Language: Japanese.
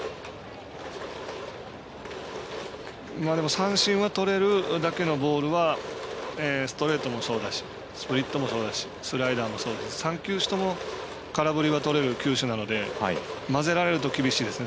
三振はとれるだけのボールはストレートもそうだしスプリットもそうだしスライダーもそうだし３球種とも空振りはとれる球種なので交ぜられると厳しいですね。